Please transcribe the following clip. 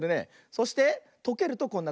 そしてとけるとこんなかんじ。